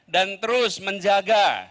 dan terus menjaga